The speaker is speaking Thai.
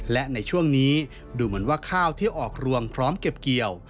และในช่วงนี้ดูเหมือนว่าข้าวที่ออกรวงพร้อมเก็บเกี่ยว